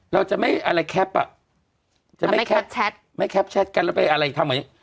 เราจะไม่อะไรแคปอ่ะจะไม่แคปไม่แคปแชทกันแล้วไปอะไรทำอย่างนี้